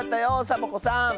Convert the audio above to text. サボ子さん。